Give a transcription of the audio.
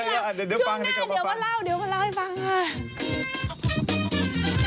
ชุมหน้าเดี๋ยวมาเล่าให้ฟังค่ะ